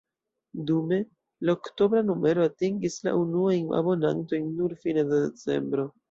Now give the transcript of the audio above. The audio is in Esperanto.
Dume, la oktobra numero atingis la unuajn abonantojn nur fine de decembro.